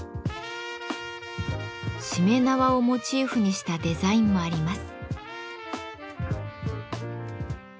しめ縄をモチーフにしたデザインもあります。